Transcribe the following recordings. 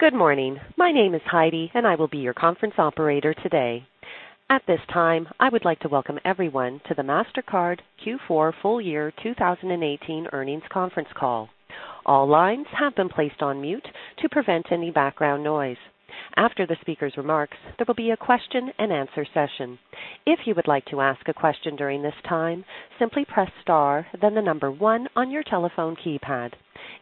Good morning. My name is Heidi, and I will be your conference operator today. At this time, I would like to welcome everyone to the Mastercard Q4 full year 2018 earnings conference call. All lines have been placed on mute to prevent any background noise. After the speaker's remarks, there will be a question-and-answer session. If you would like to ask a question during this time, simply press star then the number one on your telephone keypad.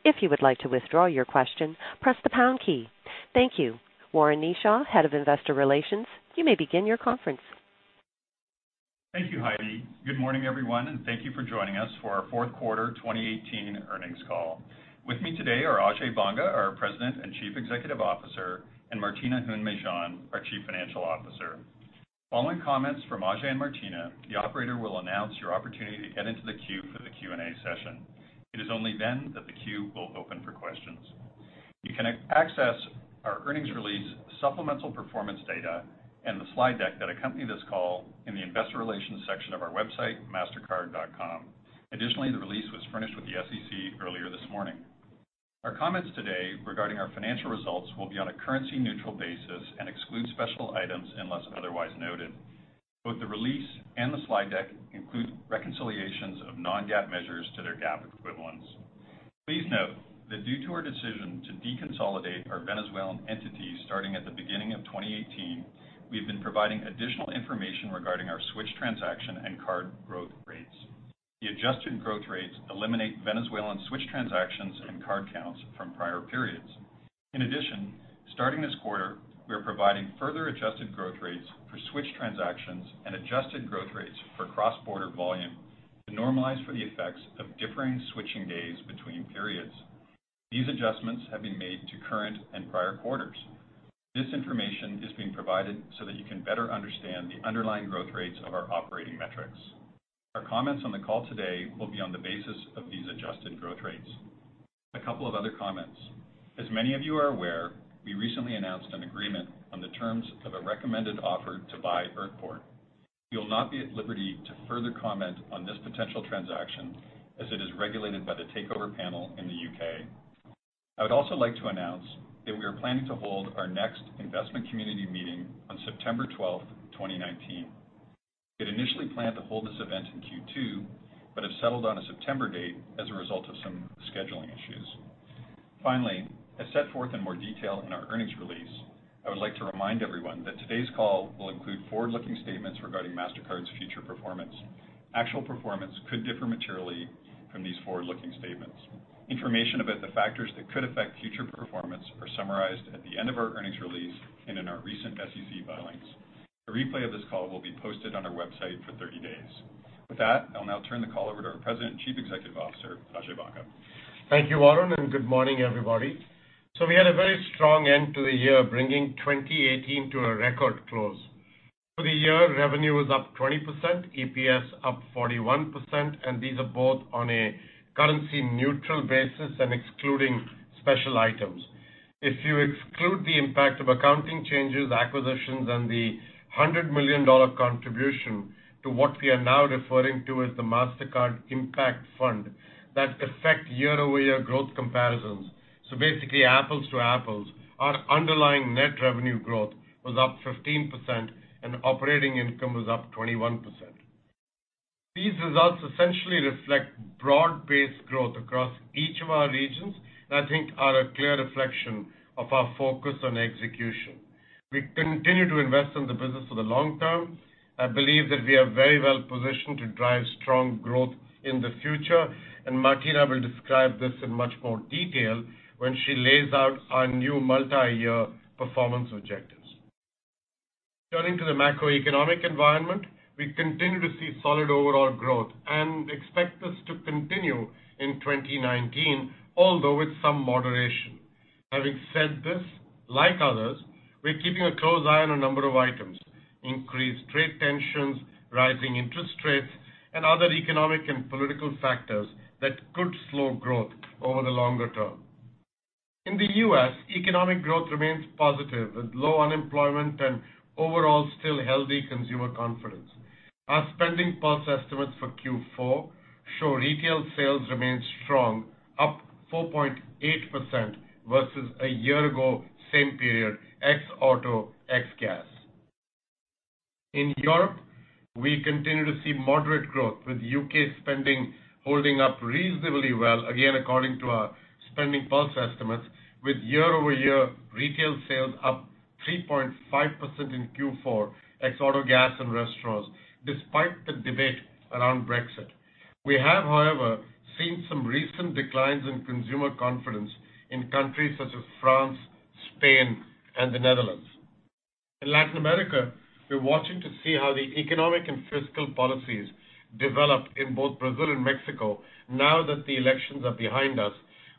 If you would like to withdraw your question, press the pound key. Thank you. Warren Kneeshaw, Head of Investor Relations, you may begin your conference. Thank you, Heidi. Good morning, everyone, and thank you for joining us for our fourth quarter 2018 earnings call. With me today are Ajay Banga, our President and Chief Executive Officer, and Martina Hund-Mejean, our Chief Financial Officer. Following comments from Ajay and Martina, the operator will announce your opportunity to get into the queue for the Q&A session. It is only then that the queue will open for questions. You can access our earnings release, supplemental performance data, and the slide deck that accompany this call in the investor relations section of our website, mastercard.com. Additionally, the release was furnished with the SEC earlier this morning. Our comments today regarding our financial results will be on a currency-neutral basis and exclude special items unless otherwise noted. Both the release and the slide deck include reconciliations of non-GAAP measures to their GAAP equivalents. Please note that due to our decision to deconsolidate our Venezuelan entities starting at the beginning of 2018, we have been providing additional information regarding our switch transaction and card growth rates. The adjusted growth rates eliminate Venezuelan switch transactions and card counts from prior periods. In addition, starting this quarter, we are providing further adjusted growth rates for switch transactions and adjusted growth rates for cross-border volume to normalize for the effects of differing switching days between periods. These adjustments have been made to current and prior quarters. This information is being provided so that you can better understand the underlying growth rates of our operating metrics. Our comments on the call today will be on the basis of these adjusted growth rates. A couple of other comments. As many of you are aware, we recently announced an agreement on the terms of a recommended offer to buy Earthport. We will not be at liberty to further comment on this potential transaction as it is regulated by the Takeover Panel in the U.K. I would also like to announce that we are planning to hold our next investment community meeting on September 12th, 2019. We had initially planned to hold this event in Q2 but have settled on a September date as a result of some scheduling issues. Finally, as set forth in more detail in our earnings release, I would like to remind everyone that today's call will include forward-looking statements regarding Mastercard's future performance. Actual performance could differ materially from these forward-looking statements. Information about the factors that could affect future performance are summarized at the end of our earnings release and in our recent SEC filings. A replay of this call will be posted on our website for 30 days. With that, I'll now turn the call over to our President and Chief Executive Officer, Ajay Banga. Thank you, Warren, good morning, everybody. We had a very strong end to the year, bringing 2018 to a record close. For the year, revenue was up 20%, EPS up 41%, and these are both on a currency-neutral basis and excluding special items. If you exclude the impact of accounting changes, acquisitions, and the $100 million contribution to what we are now referring to as the Mastercard Impact Fund, that affect year-over-year growth comparisons. Basically, apples to apples, our underlying net revenue growth was up 15% and operating income was up 21%. These results essentially reflect broad-based growth across each of our regions and I think are a clear reflection of our focus on execution. We continue to invest in the business for the long term and believe that we are very well positioned to drive strong growth in the future, Martina will describe this in much more detail when she lays out our new multi-year performance objectives. Turning to the macroeconomic environment, we continue to see solid overall growth and expect this to continue in 2019, although with some moderation. Having said this, like others, we're keeping a close eye on a number of items: increased trade tensions, rising interest rates, and other economic and political factors that could slow growth over the longer term. In the U.S., economic growth remains positive with low unemployment and overall still healthy consumer confidence. Our SpendingPulse estimates for Q4 show retail sales remain strong, up 4.8% versus a year ago same period, ex auto, ex gas. In Europe, we continue to see moderate growth with U.K. spending holding up reasonably well, again, according to our SpendingPulse estimates, with year-over-year retail sales up 3.5% in Q4, ex auto, gas, and restaurants, despite the debate around Brexit. We have, however, seen some recent declines in consumer confidence in countries such as France, Spain, and the Netherlands. In Latin America, we're watching to see how the economic and fiscal policies develop in both Brazil and Mexico now that the elections are behind us.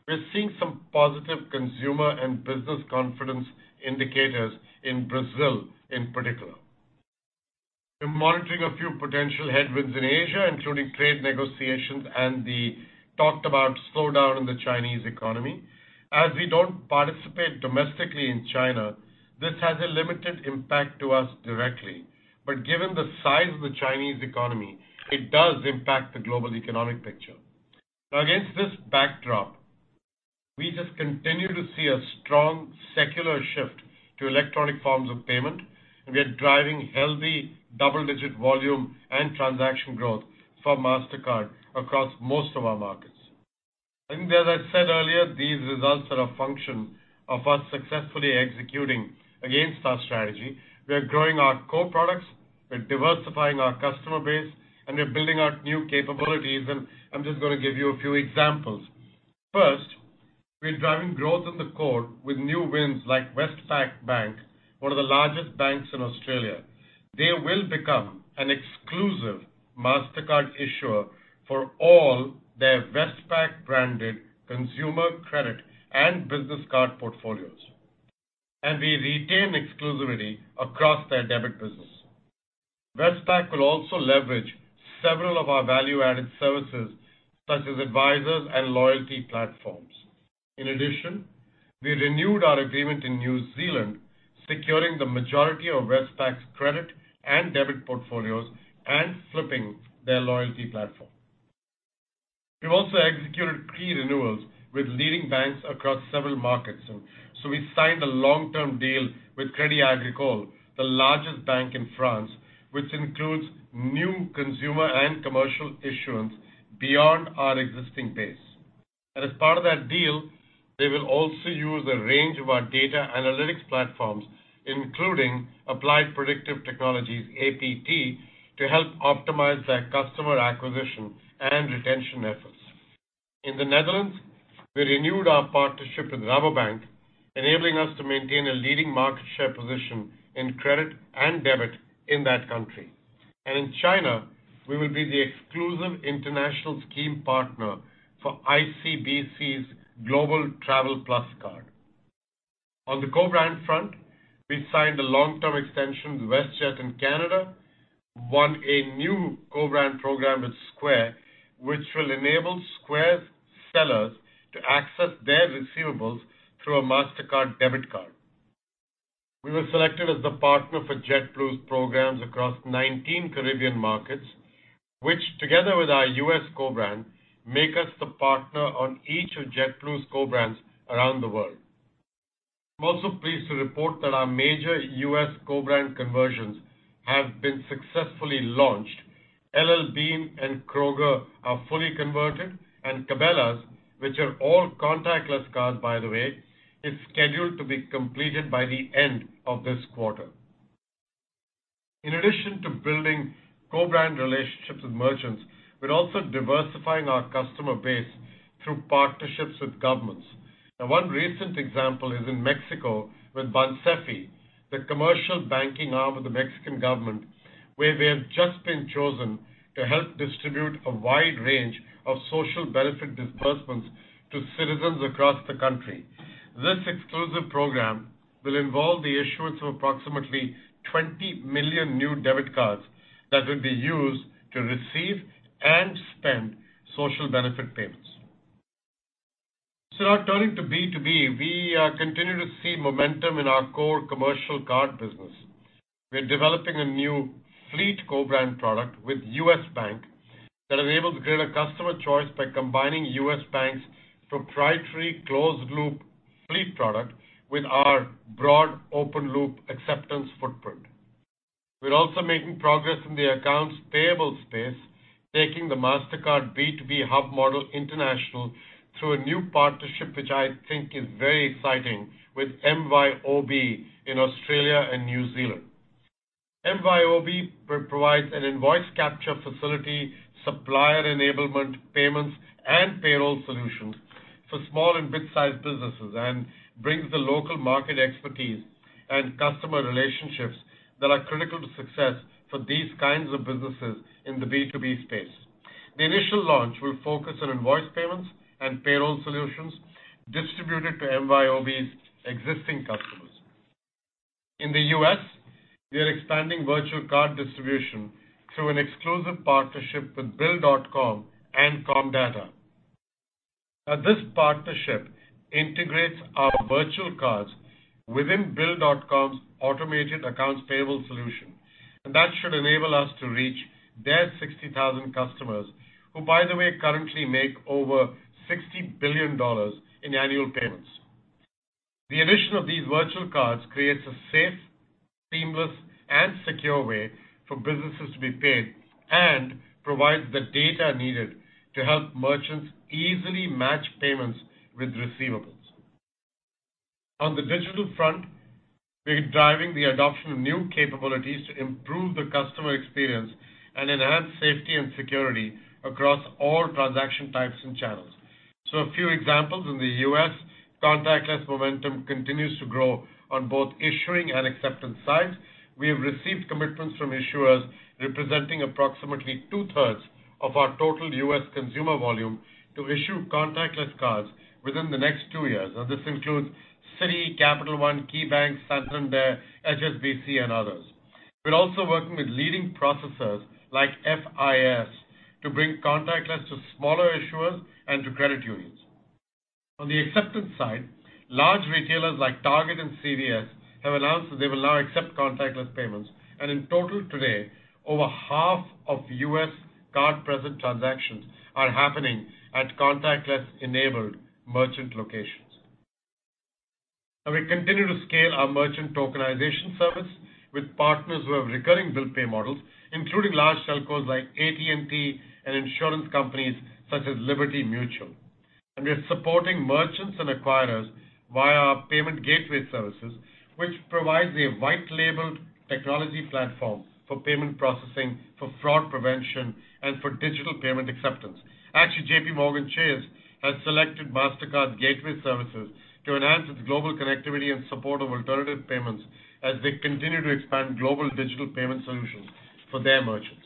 We're seeing some positive consumer and business confidence indicators in Brazil in particular. We're monitoring a few potential headwinds in Asia, including trade negotiations and the talked-about slowdown in the Chinese economy. As we don't participate domestically in China, this has a limited impact to us directly. Given the size of the Chinese economy, it does impact the global economic picture. Against this backdrop, we just continue to see a strong secular shift to electronic forms of payment, and we are driving healthy double-digit volume and transaction growth for Mastercard across most of our markets. As I said earlier, these results are a function of us successfully executing against our strategy. We are growing our core products, we're diversifying our customer base, and we're building out new capabilities. I'm just going to give you a few examples. First, we're driving growth in the core with new wins like Westpac, one of the largest banks in Australia. They will become an exclusive Mastercard issuer for all their Westpac-branded consumer credit and business card portfolios. We retain exclusivity across their debit business. Westpac will also leverage several of our value-added services, such as advisors and loyalty platforms. In addition, we renewed our agreement in New Zealand, securing the majority of Westpac's credit and debit portfolios and flipping their loyalty platform. We've also executed key renewals with leading banks across several markets. We signed a long-term deal with Crédit Agricole, the largest bank in France, which includes new consumer and commercial issuance beyond our existing base. As part of that deal, they will also use a range of our data analytics platforms, including Applied Predictive Technologies (APT), to help optimize their customer acquisition and retention efforts. In the Netherlands, we renewed our partnership with Rabobank, enabling us to maintain a leading market share position in credit and debit in that country. In China, we will be the exclusive international scheme partner for ICBC's Global Travel Plus card. On the co-brand front, we signed a long-term extension with WestJet in Canada, won a new co-brand program with Square, which will enable Square's sellers to access their receivables through a Mastercard debit card. We were selected as the partner for JetBlue's programs across 19 Caribbean markets, which together with our U.S. co-brand, make us the partner on each of JetBlue's co-brands around the world. I'm also pleased to report that our major U.S. co-brand conversions have been successfully launched. L.L.Bean and Kroger are fully converted, and Cabela's, which are all contactless cards by the way, is scheduled to be completed by the end of this quarter. In addition to building co-brand relationships with merchants, we're also diversifying our customer base through partnerships with governments. One recent example is in Mexico with BANSEFI, the commercial banking arm of the Mexican government, where we have just been chosen to help distribute a wide range of social benefit disbursements to citizens across the country. This exclusive program will involve the issuance of approximately 20 million new debit cards that will be used to receive and spend social benefit payments. Turning to B2B, we continue to see momentum in our core commercial card business. We're developing a new fleet co-brand product with U.S. Bank that is able to create a customer choice by combining U.S. Bank's proprietary closed-loop fleet product with our broad open-loop acceptance footprint. We're also making progress in the accounts payable space, taking the Mastercard B2B Hub model international through a new partnership, which I think is very exciting, with MYOB in Australia and New Zealand. MYOB provides an invoice capture facility, supplier enablement payments, and payroll solutions for small and mid-sized businesses and brings the local market expertise and customer relationships that are critical to success for these kinds of businesses in the B2B space. The initial launch will focus on invoice payments and payroll solutions distributed to MYOB's existing customers. In the U.S., we are expanding virtual card distribution through an exclusive partnership with Bill.com and Comdata. This partnership integrates our virtual cards within Bill.com's automated accounts payable solution, and that should enable us to reach their 60,000 customers, who by the way, currently make over $60 billion in annual payments. The addition of these virtual cards creates a safe, seamless, and secure way for businesses to be paid and provides the data needed to help merchants easily match payments with receivables. On the digital front, we're driving the adoption of new capabilities to improve the customer experience and enhance safety and security across all transaction types and channels. A few examples. In the U.S., contactless momentum continues to grow on both issuing and acceptance sides. We have received commitments from issuers representing approximately 2/3 of our total U.S. consumer volume to issue contactless cards within the next two years. This includes Citi, Capital One, KeyBank, Santander, HSBC, and others. We're also working with leading processors like FIS to bring contactless to smaller issuers and to credit unions. On the acceptance side, large retailers like Target and CVS have announced that they will now accept contactless payments. In total today, over half of U.S. card-present transactions are happening at contactless-enabled merchant locations. We continue to scale our merchant tokenization service with partners who have recurring bill pay models, including large telcos like AT&T and insurance companies such as Liberty Mutual. We are supporting merchants and acquirers via our payment gateway services, which provides a white labeled technology platform for payment processing, for fraud prevention, and for digital payment acceptance. Actually, JPMorgan Chase has selected Mastercard Gateway Services to enhance its global connectivity and support of alternative payments as they continue to expand global digital payment solutions for their merchants.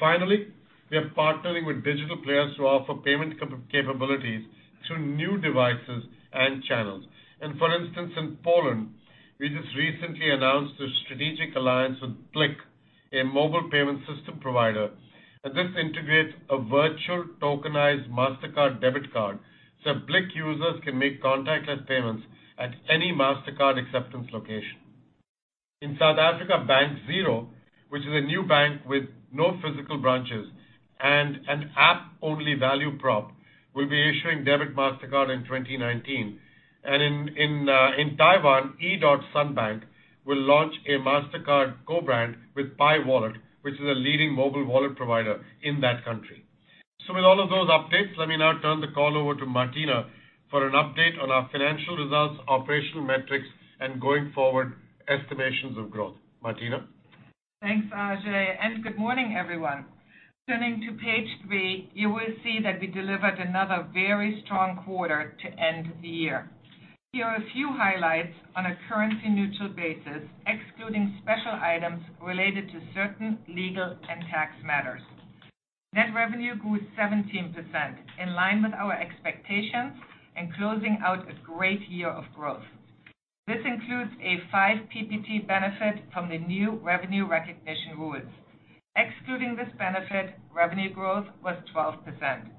Finally, we are partnering with digital players who offer payment capabilities through new devices and channels. For instance, in Poland, we just recently announced a strategic alliance with Blik, a mobile payment system provider. This integrates a virtual tokenized Mastercard debit card so Blik users can make contactless payments at any Mastercard acceptance location. In South Africa, Bank Zero, which is a new bank with no physical branches and an app-only value prop, will be issuing debit Mastercard in 2019. In Taiwan, E.SUN Bank will launch a Mastercard co-brand with Pi Wallet, which is a leading mobile wallet provider in that country. With all of those updates, let me now turn the call over to Martina for an update on our financial results, operational metrics, and going forward estimations of growth. Martina? Thanks, Ajay, and good morning, everyone. Turning to page three, you will see that we delivered another very strong quarter to end the year. Here are a few highlights on a currency-neutral basis, excluding special items related to certain legal and tax matters. Net revenue grew 17%, in line with our expectations and closing out a great year of growth. This includes a five PPT benefit from the new revenue recognition rules. Excluding this benefit, revenue growth was 12%.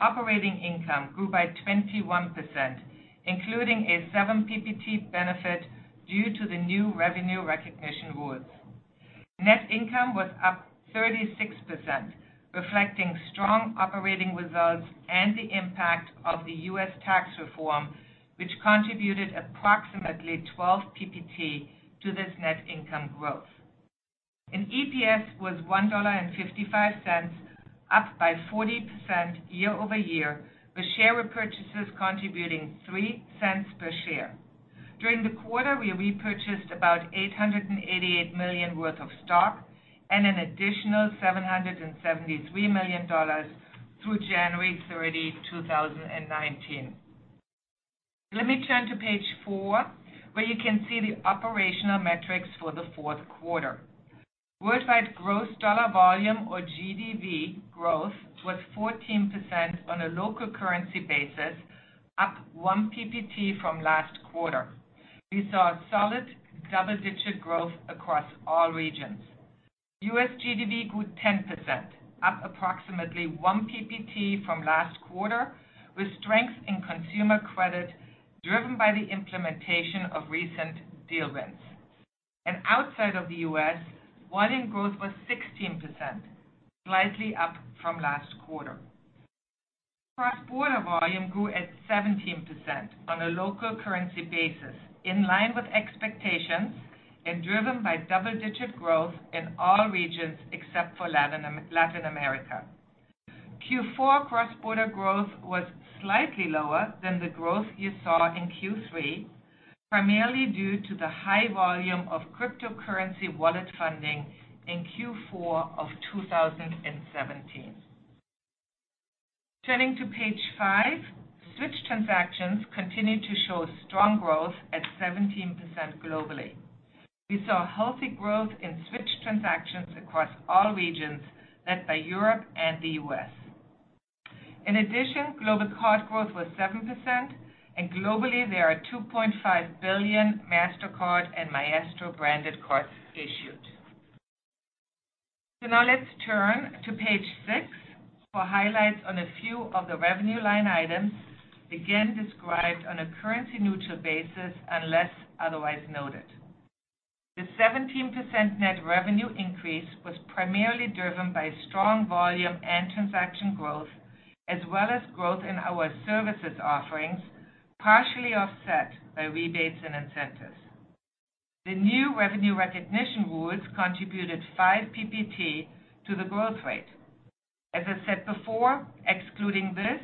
Operating income grew by 21%, including a seven PPT benefit due to the new revenue recognition rules. Net income was up 36%, reflecting strong operating results and the impact of the U.S. tax reform, which contributed approximately 12 PPT to this net income growth. EPS was $1.55, up by 40% year-over-year, with share repurchases contributing $0.03 per share. During the quarter, we repurchased about $888 million worth of stock and an additional $773 million through January 30, 2019. Let me turn to page four, where you can see the operational metrics for the fourth quarter. Worldwide gross dollar volume or GDV growth was 14% on a local currency basis, up one PPT from last quarter. We saw solid double-digit growth across all regions. U.S. GDV grew 10%, up approximately one PPT from last quarter, with strength in consumer credit driven by the implementation of recent deal wins. Outside of the U.S., volume growth was 16%, slightly up from last quarter. Cross-border volume grew at 17% on a local currency basis, in line with expectations and driven by double-digit growth in all regions except for Latin America. Q4 cross-border growth was slightly lower than the growth you saw in Q3, primarily due to the high volume of cryptocurrency wallet funding in Q4 of 2017. Turning to page five, switch transactions continued to show strong growth at 17% globally. We saw healthy growth in switch transactions across all regions, led by Europe and the U.S. In addition, global card growth was 7%, and globally, there are 2.5 billion Mastercard and Maestro branded cards issued. Now let's turn to page six for highlights on a few of the revenue line items, again described on a currency-neutral basis unless otherwise noted. The 17% net revenue increase was primarily driven by strong volume and transaction growth, as well as growth in our services offerings, partially offset by rebates and incentives. The new revenue recognition rules contributed five PPT to the growth rate. As I said before, excluding this,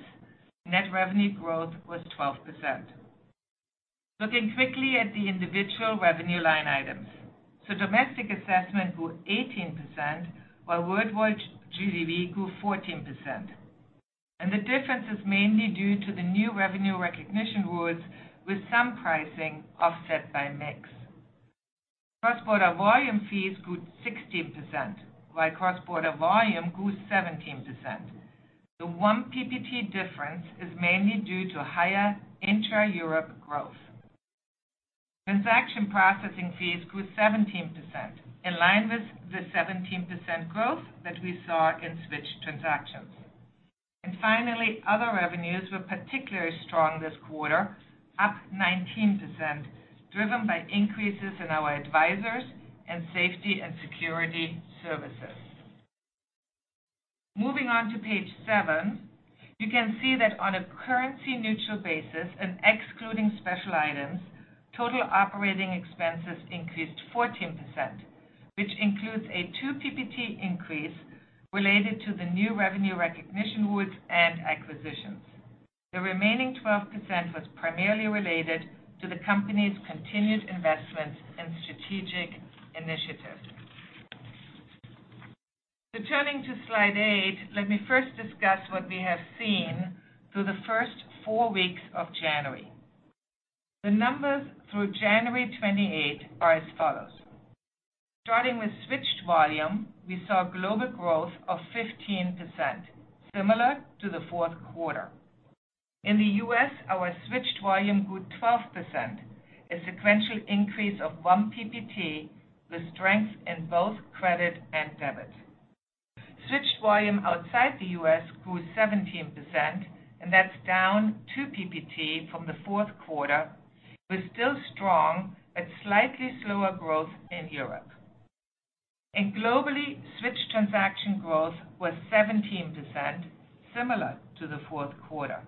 net revenue growth was 12%. Looking quickly at the individual revenue line items. Domestic assessment grew 18%, while worldwide GDV grew 14%. The difference is mainly due to the new revenue recognition rules with some pricing offset by mix. Cross-border volume fees grew 16%, while cross-border volume grew 17%. The one PPT difference is mainly due to higher intra-Europe growth. Transaction processing fees grew 17%, in line with the 17% growth that we saw in switched transactions. Finally, other revenues were particularly strong this quarter, up 19%, driven by increases in our advisors and safety and security services. Moving on to page seven, you can see that on a currency-neutral basis and excluding special items, total operating expenses increased 14%, which includes a two PPT increase related to the new revenue recognition rules and acquisitions. The remaining 12% was primarily related to the company's continued investments in strategic initiatives. Turning to slide eight, let me first discuss what we have seen through the first four weeks of January. The numbers through January 28 are as follows. Starting with switched volume, we saw global growth of 15%, similar to the fourth quarter. In the U.S., our switched volume grew 12%, a sequential increase of one PPT, with strength in both credit and debit. Switched volume outside the U.S. grew 17%, and that's down two PPT from the fourth quarter. It was still strong, but slightly slower growth in Europe. Globally, switched transaction growth was 17%, similar to the fourth quarter.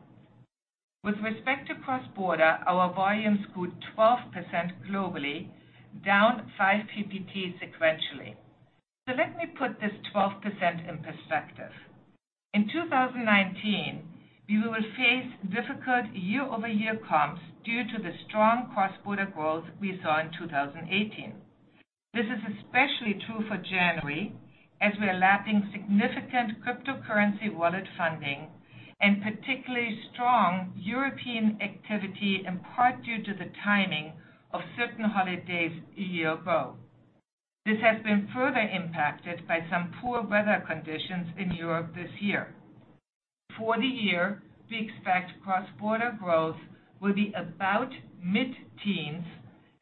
With respect to cross-border, our volumes grew 12% globally, down five PPT sequentially. Let me put this 12% in perspective. In 2019, we will face difficult year-over-year comps due to the strong cross-border growth we saw in 2018. This is especially true for January, as we are lapping significant cryptocurrency wallet funding and particularly strong European activity, in part due to the timing of certain holidays a year ago. This has been further impacted by some poor weather conditions in Europe this year. For the year, we expect cross-border growth will be about mid-teens,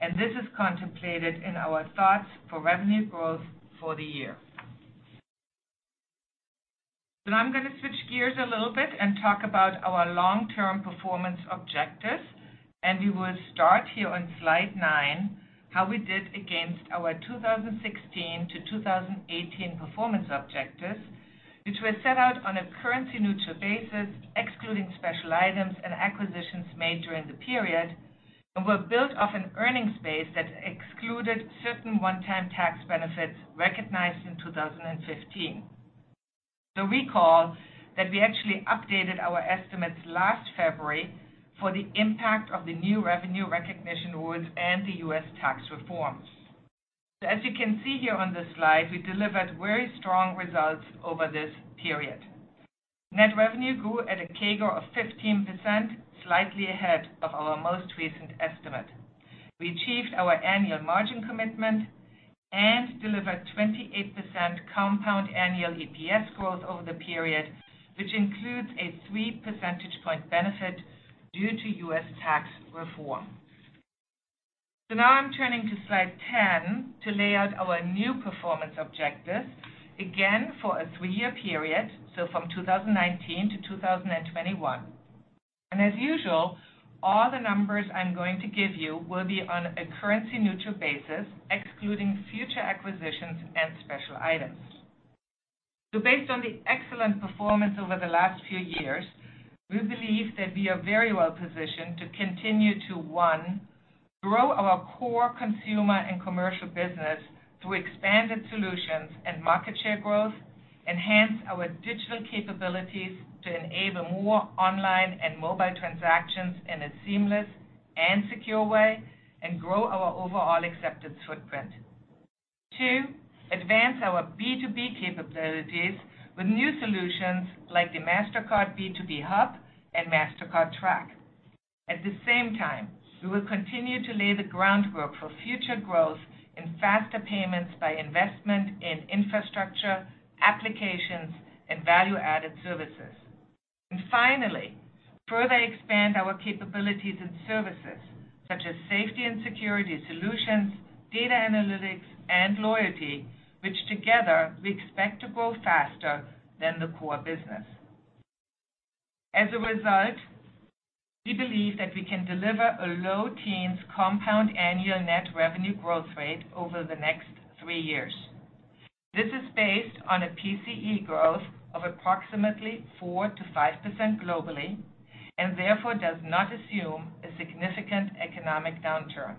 and this is contemplated in our thoughts for revenue growth for the year. Now I'm going to switch gears a little bit and talk about our long-term performance objectives, and we will start here on slide nine, how we did against our 2016 to 2018 performance objectives, which were set out on a currency-neutral basis, excluding special items and acquisitions made during the period, and were built off an earnings base that excluded certain one-time tax benefits recognized in 2015. Recall that we actually updated our estimates last February for the impact of the new revenue recognition rules and the U.S. tax reforms. As you can see here on this slide, we delivered very strong results over this period. Net revenue grew at a CAGR of 15%, slightly ahead of our most recent estimate. We achieved our annual margin commitment and delivered 28% compound annual EPS growth over the period, which includes a 3 percentage point benefit due to U.S. tax reform. Now I'm turning to slide 10 to lay out our new performance objectives, again, for a three-year period, from 2019 to 2021. As usual, all the numbers I'm going to give you will be on a currency-neutral basis, excluding future acquisitions and special items. Based on the excellent performance over the last few years, we believe that we are very well positioned to continue to, one, grow our core consumer and commercial business through expanded solutions and market share growth, enhance our digital capabilities to enable more online and mobile transactions in a seamless and secure way, and grow our overall acceptance footprint. Two, advance our B2B capabilities with new solutions like the Mastercard B2B Hub and Mastercard Track. At the same time, we will continue to lay the groundwork for future growth in faster payments by investment in infrastructure, applications, and value-added services. Finally, further expand our capabilities and services such as safety and security solutions, data analytics, and loyalty, which together we expect to grow faster than the core business. As a result, we believe that we can deliver a low teens compound annual net revenue growth rate over the next three years. This is based on a PCE growth of approximately 4%-5% globally, and therefore does not assume a significant economic downturn.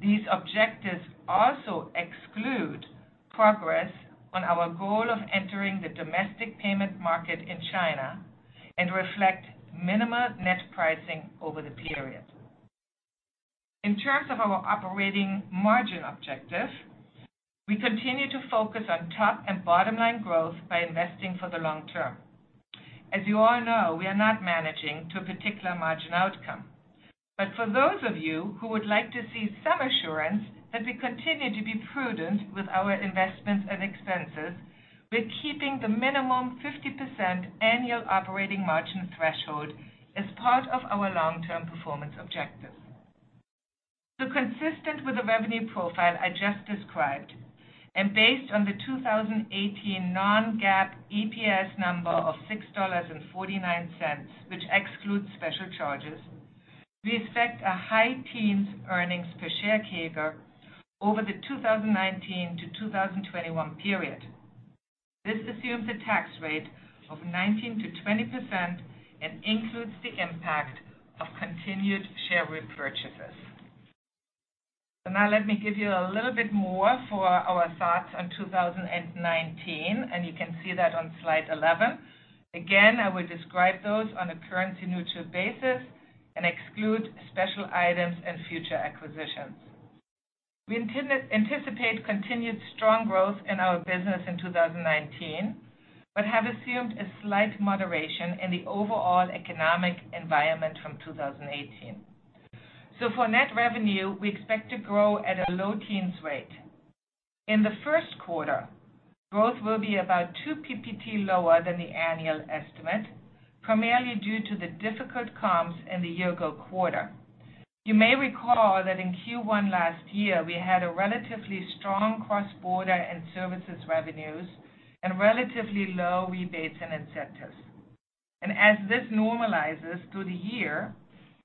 These objectives also exclude progress on our goal of entering the domestic payment market in China and reflect minimal net pricing over the period. In terms of our operating margin objective, we continue to focus on top and bottom-line growth by investing for the long term. As you all know, we are not managing to a particular margin outcome. For those of you who would like to see some assurance that we continue to be prudent with our investments and expenses, we're keeping the minimum 50% annual operating margin threshold as part of our long-term performance objective. Consistent with the revenue profile I just described, and based on the 2018 non-GAAP EPS number of $6.49, which excludes special charges, we expect a high teens earnings per share CAGR over the 2019-2021 period. This assumes a tax rate of 19%-20% and includes the impact of continued share repurchases. Now let me give you a little bit more for our thoughts on 2019, and you can see that on slide 11. Again, I will describe those on a currency-neutral basis and exclude special items and future acquisitions. We anticipate continued strong growth in our business in 2019, but have assumed a slight moderation in the overall economic environment from 2018. For net revenue, we expect to grow at a low teens rate. In the first quarter, growth will be about two PPT lower than the annual estimate, primarily due to the difficult comps in the year ago quarter. You may recall that in Q1 last year, we had a relatively strong cross-border and services revenues and relatively low rebates and incentives. As this normalizes through the year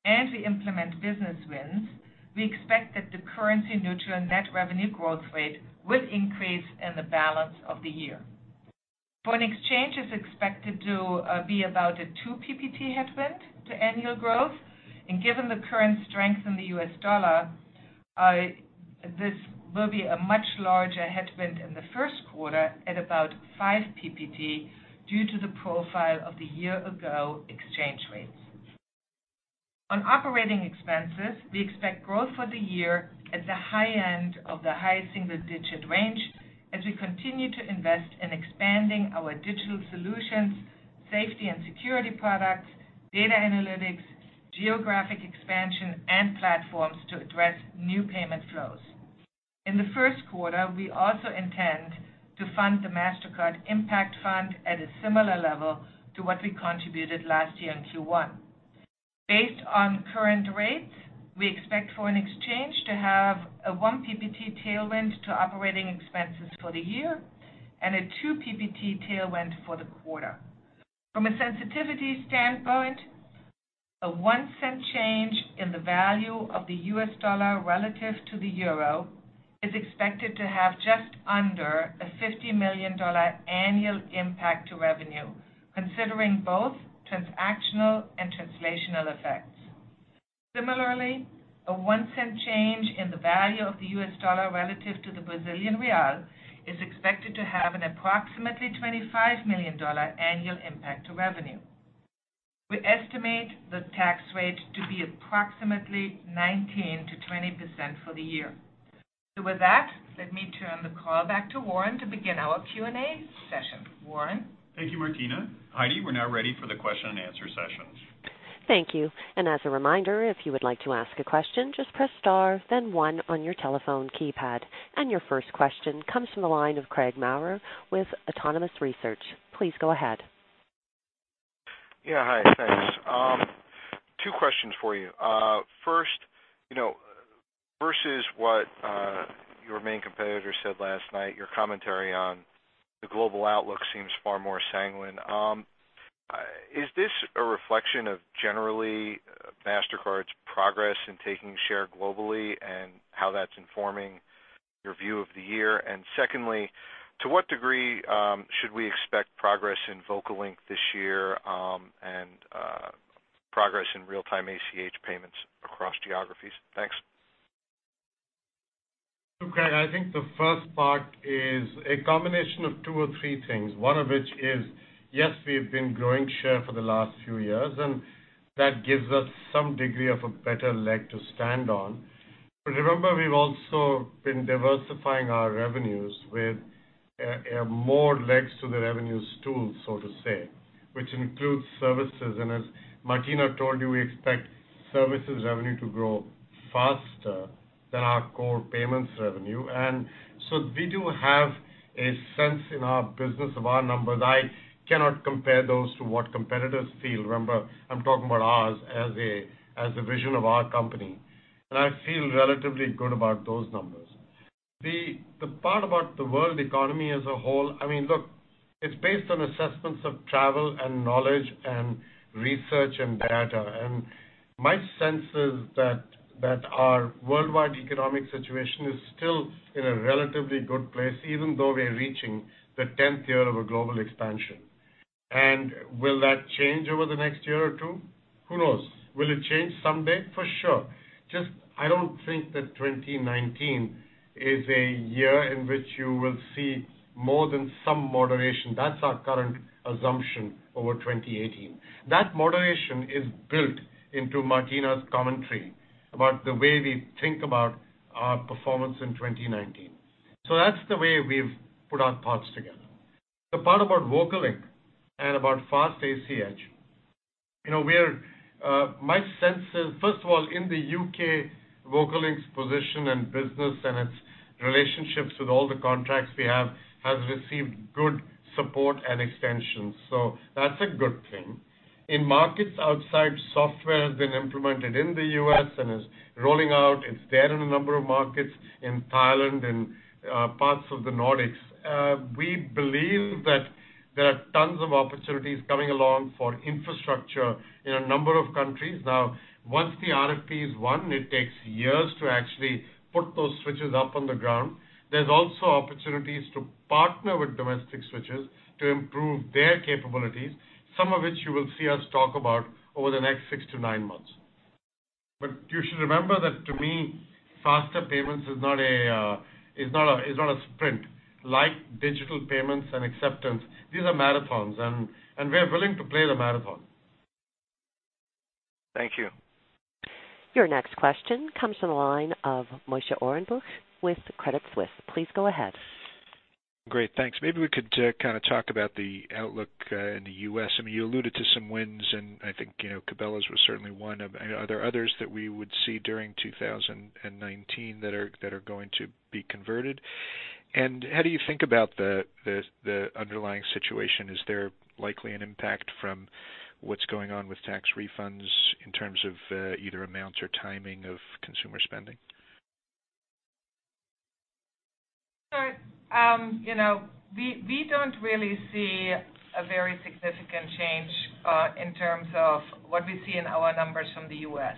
and we implement business wins, we expect that the currency neutral net revenue growth rate will increase in the balance of the year. Foreign exchange is expected to be about a two PPT headwind to annual growth, and given the current strength in the U.S. dollar, this will be a much larger headwind in the first quarter at about five PPT due to the profile of the year ago exchange rates. On operating expenses, we expect growth for the year at the high end of the high single-digit range as we continue to invest in expanding our digital solutions, safety and security products, data analytics, geographic expansion, and platforms to address new payment flows. In the first quarter, we also intend to fund the Mastercard Impact Fund at a similar level to what we contributed last year in Q1. Based on current rates, we expect foreign exchange to have a one PPT tailwind to operating expenses for the year and a two PPT tailwind for the quarter. From a sensitivity standpoint, a $0.01 change in the value of the U.S. dollar relative to the euro is expected to have just under a $50 million annual impact to revenue, considering both transactional and translational effects. Similarly, a $0.01 change in the value of the U.S. dollar relative to the Brazilian real is expected to have an approximately $25 million annual impact to revenue. We estimate the tax rate to be approximately 19%-20% for the year. With that, let me turn the call back to Warren to begin our Q&A session. Warren? Thank you, Martina. Heidi, we're now ready for the question and answer sessions. Thank you. As a reminder, if you would like to ask a question, just press star, then one on your telephone keypad. Your first question comes from the line of Craig Maurer with Autonomous Research. Please go ahead. Yeah, hi. Thanks. Two questions for you. First, versus what your main competitor said last night, your commentary on the global outlook seems far more sanguine. Is this a reflection of generally Mastercard's progress in taking share globally and how that's informing your view of the year? Secondly, to what degree should we expect progress in VocaLink this year and progress in real-time ACH payments across geographies? Thanks. Craig, I think the first part is a combination of two or three things. One of which is, yes, we've been growing share for the last few years, and that gives us some degree of a better leg to stand on. Remember, we've also been diversifying our revenues with more legs to the revenues tool, so to say, which includes services. As Martina told you, we expect services revenue to grow faster than our core payments revenue. We do have a sense in our business of our numbers. I cannot compare those to what competitors feel. Remember, I'm talking about ours as a vision of our company, and I feel relatively good about those numbers. The part about the world economy as a whole, look, it's based on assessments of travel and knowledge and research and data. My sense is that our worldwide economic situation is still in a relatively good place, even though we are reaching the 10th year of a global expansion. Will that change over the next year or two? Who knows. Will it change someday? For sure. Just, I don't think that 2019 is a year in which you will see more than some moderation. That's our current assumption over 2018. That moderation is built into Martina's commentary about the way we think about our performance in 2019. That's the way we've put our thoughts together. The part about VocaLink and about fast ACH. My sense is, first of all, in the U.K., VocaLink's position and business and its relationships with all the contracts we have has received good support and extensions. That's a good thing. In markets outside, software has been implemented in the U.S. and is rolling out. It's there in a number of markets in Thailand and parts of the Nordics. We believe that there are tons of opportunities coming along for infrastructure in a number of countries. Now, once the RFP is won, it takes years to actually put those switches up on the ground. There's also opportunities to partner with domestic switches to improve their capabilities, some of which you will see us talk about over the next six to nine months. You should remember that to me, faster payments is not a sprint like digital payments and acceptance. These are marathons, and we are willing to play the marathon. Thank you. Your next question comes from the line of Moshe Orenbuch with Credit Suisse. Please go ahead. Great. Thanks. Maybe we could kind of talk about the outlook in the U.S. You alluded to some wins, and I think Cabela's was certainly one of. Are there others that we would see during 2019 that are going to be converted? How do you think about the underlying situation? Is there likely an impact from what's going on with tax refunds in terms of either amounts or timing of consumer spending? Sure. We don't really see a very significant change in terms of what we see in our numbers from the U.S.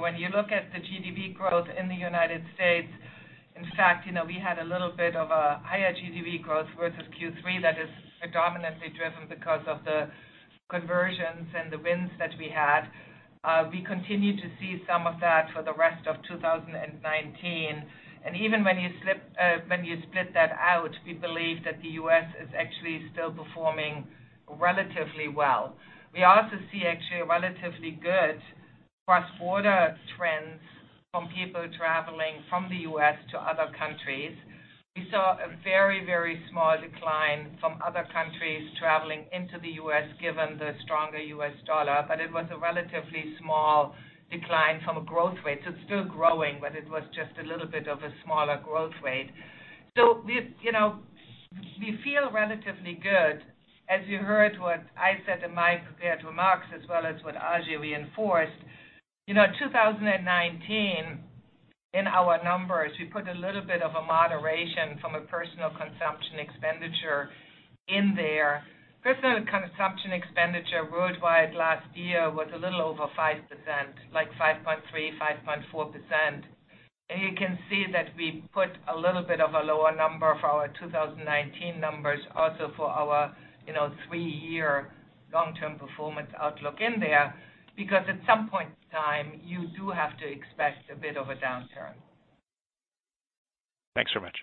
When you look at the GDP growth in the United States, in fact, we had a little bit of a higher GDP growth versus Q3 that is predominantly driven because of the conversions and the wins that we had. We continue to see some of that for the rest of 2019. Even when you split that out, we believe that the U.S. is actually still performing relatively well. We also see actually relatively good cross-border trends from people traveling from the U.S. to other countries. We saw a very small decline from other countries traveling into the U.S. given the stronger U.S. dollar, but it was a relatively small decline from a growth rate. It's still growing, but it was just a little bit of a smaller growth rate. We feel relatively good. As you heard what I said in my prepared remarks as well as what Ajay reinforced, 2019 in our numbers, we put a little bit of a moderation from a personal consumption expenditure in there. Personal consumption expenditure worldwide last year was a little over 5%, like 5.3%, 5.4%. You can see that we put a little bit of a lower number for our 2019 numbers also for our three-year long-term performance outlook in there, because at some point in time, you do have to expect a bit of a downturn. Thanks very much.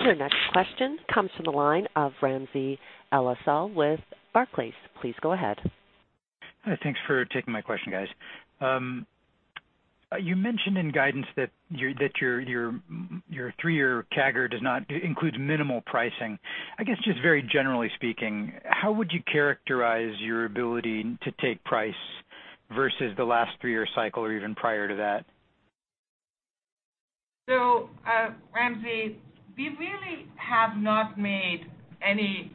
Your next question comes from the line of Ramsey El-Assal with Barclays. Please go ahead. Hi, thanks for taking my question, guys. You mentioned in guidance that your three-year CAGR includes minimal pricing. Just very generally speaking, how would you characterize your ability to take price versus the last three-year cycle or even prior to that? Ramsey, we really have not made any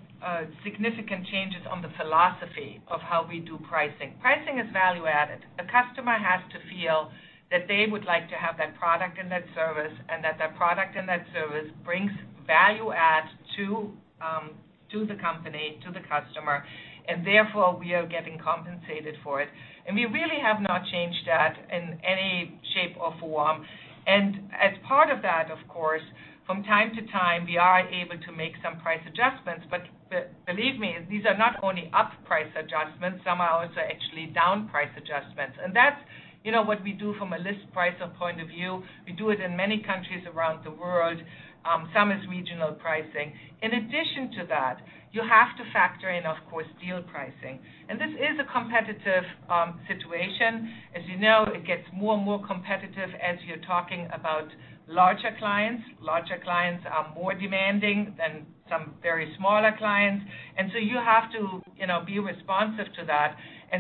significant changes on the philosophy of how we do pricing. Pricing is value-added. The customer has to feel that they would like to have that product and that service, and that that product and that service brings value add to the company, to the customer, and therefore we are getting compensated for it. We really have not changed that in any shape or form. As part of that, of course, from time to time, we are able to make some price adjustments. Believe me, these are not only up price adjustments, some are also actually down price adjustments. That's what we do from a list pricing point of view. We do it in many countries around the world. Some is regional pricing. In addition to that, you have to factor in, of course, deal pricing. This is a competitive situation. As you know, it gets more and more competitive as you're talking about larger clients. Larger clients are more demanding than some very smaller clients. So you have to be responsive to that.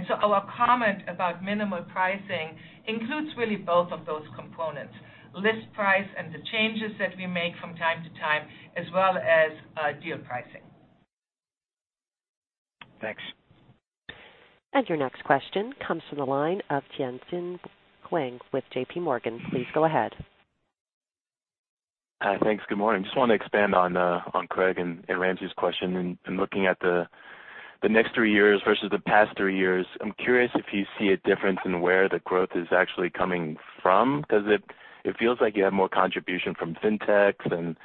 So our comment about minimal pricing includes really both of those components, list price and the changes that we make from time to time, as well as deal pricing. Thanks. Your next question comes from the line of Tien-tsin Huang with JPMorgan. Please go ahead. Hi. Thanks. Good morning. Just want to expand on Craig and Ramsey's question and looking at the next three years versus the past three years, I'm curious if you see a difference in where the growth is actually coming from, because it feels like you have more contribution from Fintechs and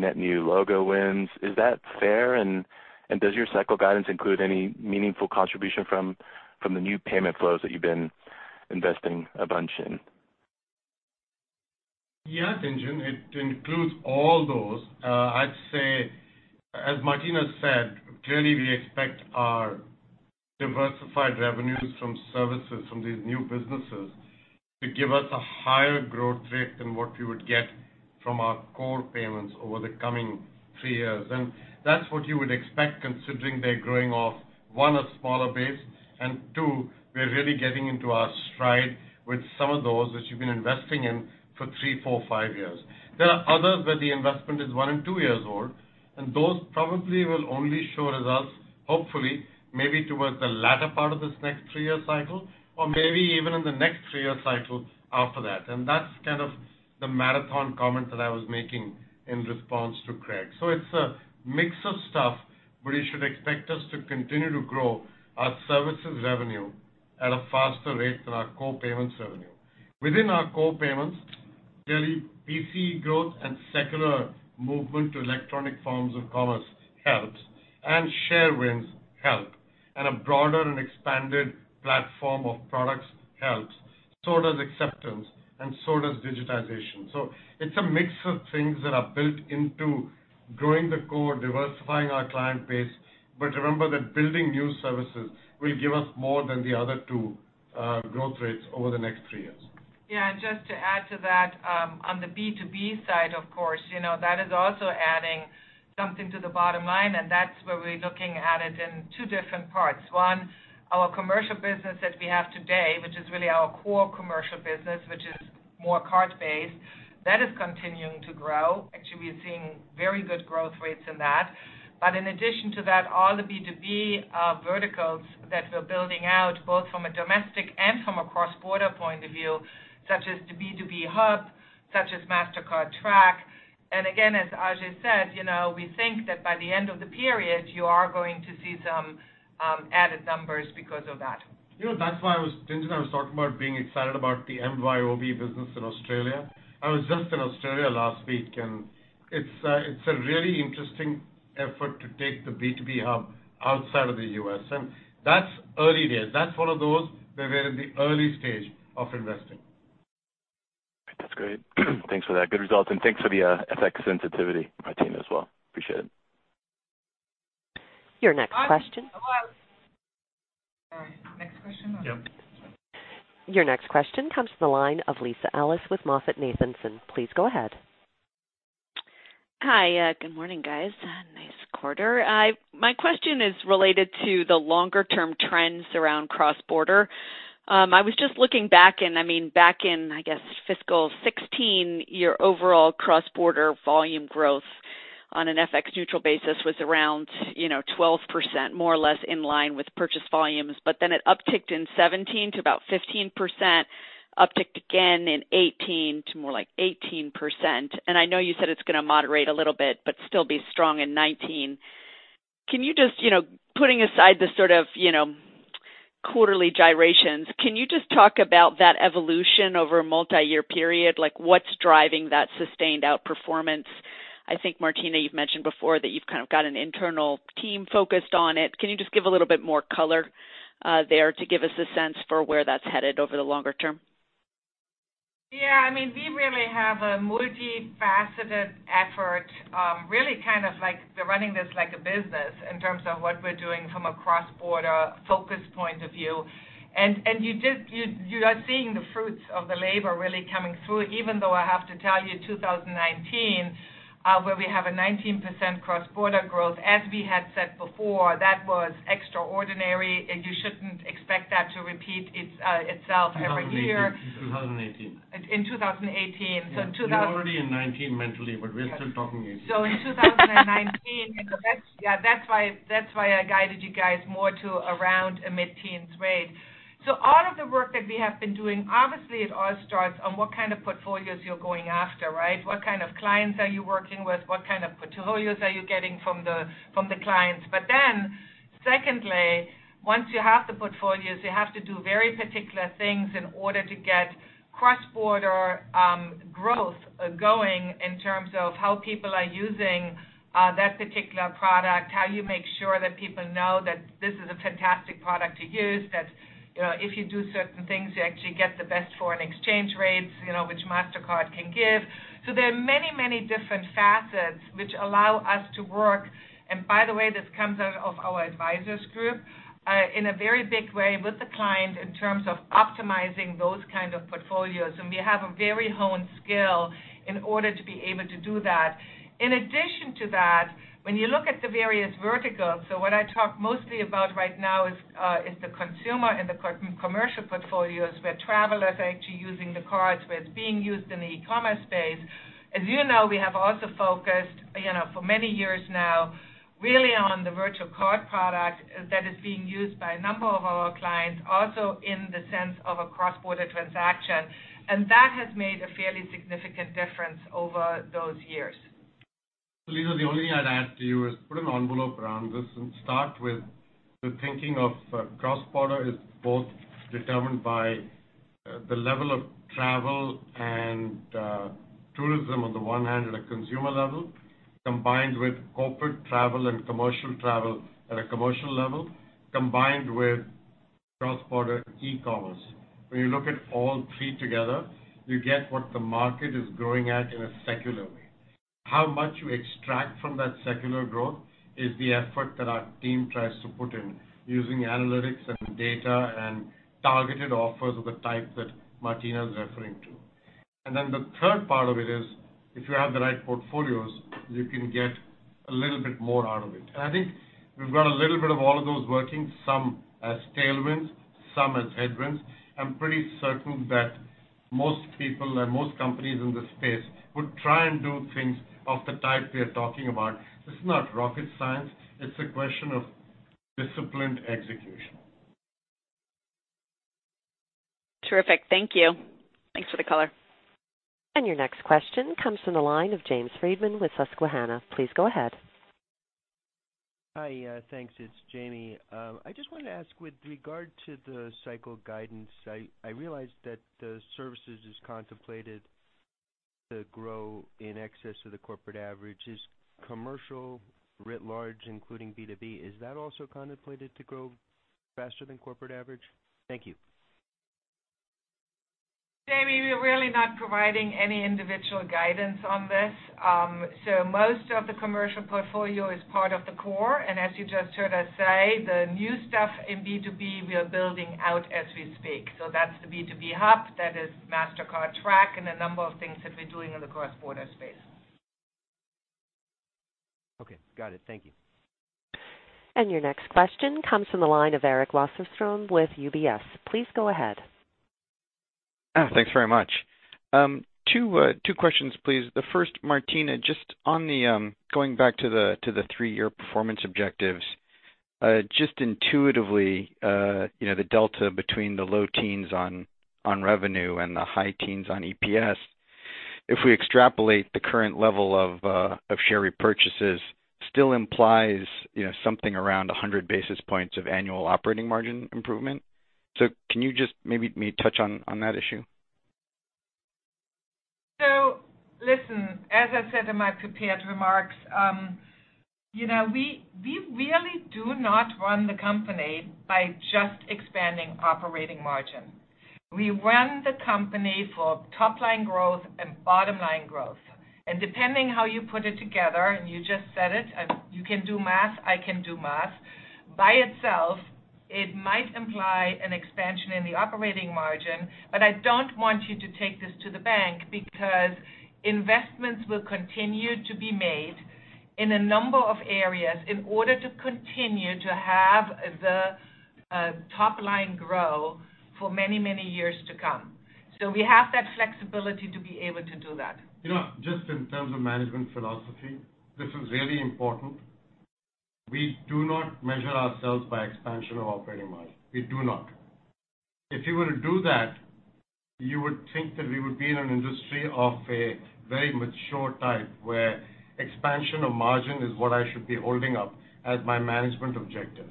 net new logo wins. Is that fair? Does your cycle guidance include any meaningful contribution from the new payment flows that you've been investing a bunch in? Yes, Tien-tsin, it includes all those. I'd say, as Martina said, clearly we expect our diversified revenues from services from these new businesses to give us a higher growth rate than what we would get from our core payments over the coming three years. That's what you would expect, considering they're growing off, one, a smaller base, and two, we're really getting into our stride with some of those which you've been investing in for three, four, five years. There are others where the investment is one and two years old, and those probably will only show results, hopefully, maybe towards the latter part of this next three-year cycle or maybe even in the next three-year cycle after that. That's kind of the marathon comment that I was making in response to Craig. It's a mix of stuff, but you should expect us to continue to grow our services revenue at a faster rate than our core payments revenue. Within our core payments, really, PCE growth and secular movement to electronic forms of commerce helps. Share wins help, and a broader and expanded platform of products helps. Does acceptance and does digitization. It's a mix of things that are built into growing the core, diversifying our client base. Remember that building new services will give us more than the other two growth rates over the next three years. Just to add to that, on the B2B side, of course, that is also adding something to the bottom line. That's where we're looking at it in two different parts. One, our commercial business that we have today, which is really our core commercial business, which is more card-based. That is continuing to grow. Actually, we're seeing very good growth rates in that. In addition to that, all the B2B verticals that we're building out, both from a domestic and from a cross-border point of view, such as the B2B Hub, such as Mastercard Track. Again, as Ajay said, we think that by the end of the period, you are going to see some added numbers because of that. That's why I was Tien-tsin, I was talking about being excited about the MYOB business in Australia. I was just in Australia last week, and it's a really interesting effort to take the B2B Hub outside of the U.S. That's early days. That's one of those where we're in the early stage of investing. That's great. Thanks for that good result, and thanks for the FX sensitivity, Martina, as well. Appreciate it. Your next question comes to the line of Lisa Ellis with MoffettNathanson. Please go ahead. Hi. Good morning, guys. Nice quarter. My question is related to the longer-term trends around cross-border. I was just looking back in, I guess, fiscal 2016, your overall cross-border volume growth on an FX-neutral basis was around 12%, more or less in line with purchase volumes. It upticked in 2017 to about 15%, upticked again in 2018 to more like 18%. I know you said it's going to moderate a little bit, but still be strong in 2019. Putting aside the sort of quarterly gyrations, can you just talk about that evolution over a multi-year period? What's driving that sustained outperformance? I think, Martina, you've mentioned before that you've kind of got an internal team focused on it. Can you just give a little bit more color there to give us a sense for where that's headed over the longer term? Yeah. We really have a multi-faceted effort, really kind of like we're running this like a business in terms of what we're doing from a cross-border focus point of view. You are seeing the fruits of the labor really coming through, even though I have to tell you, 2019, where we have a 19% cross-border growth, as we had said before, that was extraordinary, and you shouldn't expect that to repeat itself every year in 2018. We're already in 2019 mentally, but we're still talking 2018. In 2019, that's why I guided you guys more to around a mid-teens rate. All of the work that we have been doing, obviously it all starts on what kind of portfolios you're going after, right? What kind of clients are you working with, what kind of portfolios are you getting from the clients. Secondly, once you have the portfolios, you have to do very particular things in order to get cross-border growth going in terms of how people are using that particular product, how you make sure that people know that this is a fantastic product to use, that if you do certain things, you actually get the best foreign exchange rates which Mastercard can give. There are many different facets which allow us to work. By the way, this comes out of our advisors group, in a very big way with the client in terms of optimizing those kind of portfolios. We have a very honed skill in order to be able to do that. In addition to that, when you look at the various verticals, what I talk mostly about right now is the consumer and the commercial portfolios where travelers are actually using the cards, where it's being used in the e-commerce space. As you know, we have also focused for many years now really on the virtual card product that is being used by a number of our clients, also in the sense of a cross-border transaction. That has made a fairly significant difference over those years. Lisa, the only thing I'd add to you is put an envelope around this and start with the thinking of cross-border is both determined by the level of travel and tourism on the one hand at a consumer level, combined with corporate travel and commercial travel at a commercial level, combined with cross-border e-commerce. When you look at all three together, you get what the market is growing at in a secular way. How much you extract from that secular growth is the effort that our team tries to put in using analytics and data and targeted offers of the type that Martina is referring to. The third part of it is, if you have the right portfolios, you can get a little bit more out of it. I think we've got a little bit of all of those working, some as tailwinds, some as headwinds. I'm pretty certain that most people and most companies in this space would try and do things of the type we are talking about. This is not rocket science. It's a question of disciplined execution. Terrific. Thank you. Thanks for the color. Your next question comes from the line of James Friedman with Susquehanna. Please go ahead. Hi. Thanks. It's Jamie. I just wanted to ask with regard to the cycle guidance, I realized that the services is contemplated to grow in excess of the corporate average. Is commercial writ large, including B2B, is that also contemplated to grow faster than corporate average? Thank you. Jamie, we are really not providing any individual guidance on this. Most of the commercial portfolio is part of the core, and as you just heard us say, the new stuff in B2B we are building out as we speak. That's the B2B Hub, that is Mastercard Track and a number of things that we're doing in the cross-border space. Okay, got it. Thank you. Your next question comes from the line of Eric Wasserstrom with UBS. Please go ahead. Thanks very much. Two questions, please. The first, Martina, just on the going back to the three-year performance objectives. Just intuitively the delta between the low teens on revenue and the high teens on EPS, if we extrapolate the current level of share repurchases still implies something around 100 basis points of annual operating margin improvement. Can you just maybe touch on that issue? Listen, as I said in my prepared remarks, we really do not run the company by just expanding operating margin. We run the company for top-line growth and bottom-line growth. Depending how you put it together, and you just said it, and you can do math, I can do math. By itself, it might imply an expansion in the operating margin, but I don't want you to take this to the bank because investments will continue to be made in a number of areas in order to continue to have the top line grow for many years to come. We have that flexibility to be able to do that. Just in terms of management philosophy, this is really important. We do not measure ourselves by expansion of operating margin. We do not. If you were to do that, you would think that we would be in an industry of a very mature type where expansion of margin is what I should be holding up as my management objective.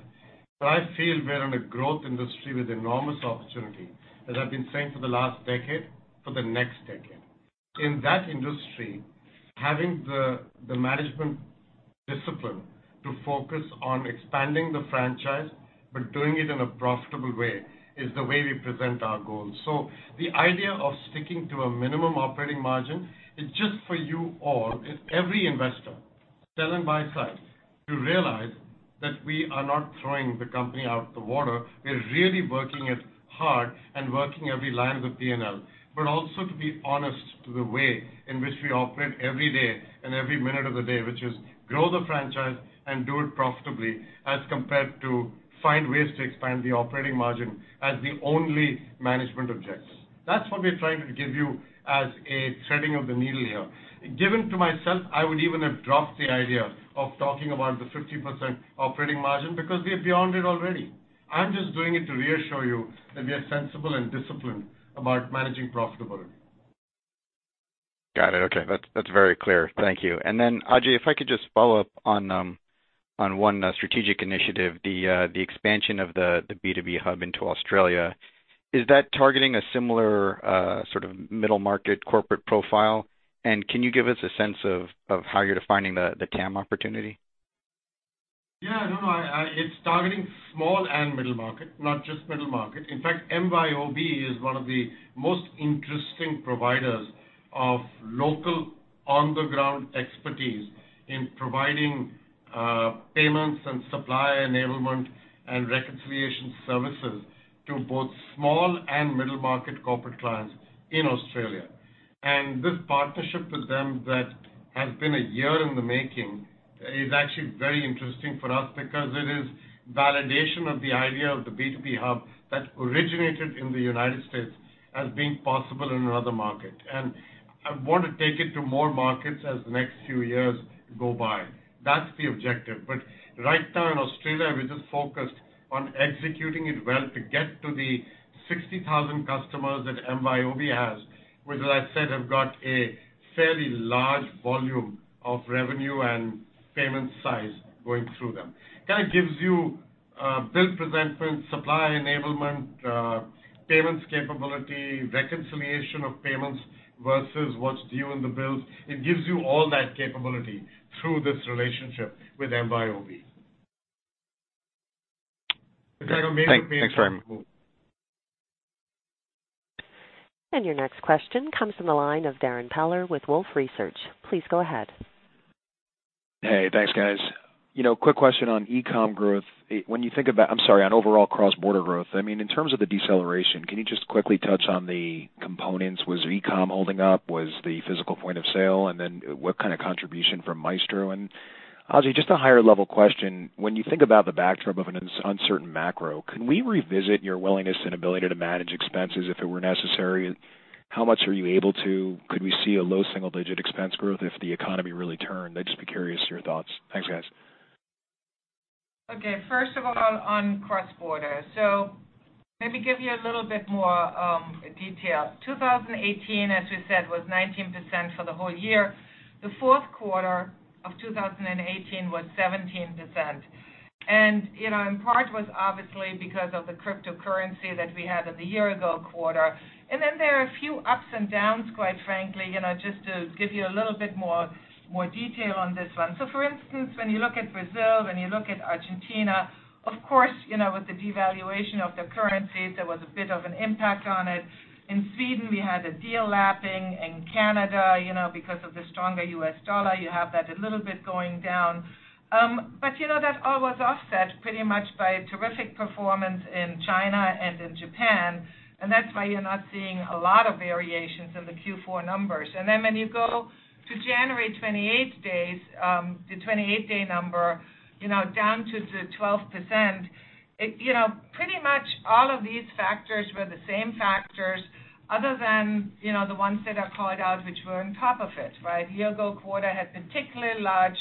I feel we're in a growth industry with enormous opportunity, as I've been saying for the last decade, for the next decade. In that industry, having the management discipline to focus on expanding the franchise but doing it in a profitable way is the way we present our goals. The idea of sticking to a minimum operating margin is just for you all, every investor, sell and buy side, to realize that we are not throwing the company out the water. We are really working it hard and working every line of the P&L. Also to be honest to the way in which we operate every day and every minute of the day, which is grow the franchise and do it profitably, as compared to find ways to expand the operating margin as the only management objective. That's what we're trying to give you as a threading of the needle here. Given to myself, I would even have dropped the idea of talking about the 50% operating margin because we are beyond it already. I'm just doing it to reassure you that we are sensible and disciplined about managing profitability. Got it. Okay. That's very clear. Thank you. Then Ajay, if I could just follow up on one strategic initiative, the expansion of the B2B Hub into Australia. Is that targeting a similar sort of middle-market corporate profile? Can you give us a sense of how you're defining the TAM opportunity? Yeah. It's targeting small and middle market, not just middle market. In fact, MYOB is one of the most interesting providers of local on-the-ground expertise in providing payments and supply enablement and reconciliation services to both small and middle-market corporate clients in Australia. This partnership with them that has been a year in the making is actually very interesting for us because it is validation of the idea of the B2B Hub that originated in the U.S. as being possible in another market. I want to take it to more markets as the next few years go by. That's the objective. Right now in Australia, we're just focused on executing it well to get to the 60,000 customers that MYOB has, which as I said, have got a fairly large volume of revenue and payment size going through them. Kind of gives you bill presentment, supply enablement, payments capability, reconciliation of payments versus what's due in the bills. It gives you all that capability through this relationship with MYOB. Your next question comes from the line of Darrin Peller with Wolfe Research. Please go ahead. Hey, thanks guys. Quick question on e-com growth. I'm sorry, on overall cross-border growth. In terms of the deceleration, can you just quickly touch on the components? Was e-com holding up? Was the physical point of sale? What kind of contribution from Maestro? Ajay, just a higher level question. When you think about the backdrop of an uncertain macro, could we revisit your willingness and ability to manage expenses if it were necessary? How much are you able to? Could we see a low single-digit expense growth if the economy really turned? I'd just be curious your thoughts. Thanks, guys. Okay, first of all, on cross-border. Maybe give you a little bit more detail. 2018, as we said, was 19% for the whole year. The fourth quarter of 2018 was 17%, and in part was obviously because of the cryptocurrency that we had in the year ago quarter. There are a few ups and downs, quite frankly, just to give you a little bit more detail on this one. For instance, when you look at Brazil, when you look at Argentina, of course, with the devaluation of the currencies, there was a bit of an impact on it. In Sweden, we had a deal lapping. In Canada, because of the stronger U.S. dollar, you have that a little bit going down. That all was offset pretty much by a terrific performance in China and in Japan. That's why you're not seeing a lot of variations in the Q4 numbers. When you go to January 28 days, the 28-day number, down to the 12%, pretty much all of these factors were the same factors other than the ones that are called out, which were on top of it, right? Year-ago quarter had particularly large